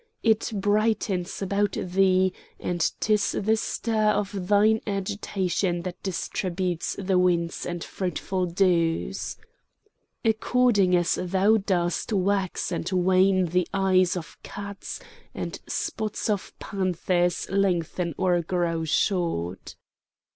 It brightens about thee, and 'Tis the stir of thine agitation that distributes the winds and fruitful dews. According as thou dost wax and wane the eyes of cats and spots of panthers lengthen or grow short.